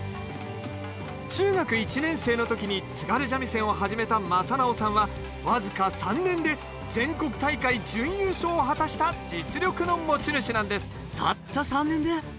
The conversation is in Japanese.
中学１年生の時に津軽三味線を始めた真直さんは僅か３年で全国大会準優勝を果たした実力の持ち主なんですたった３年で？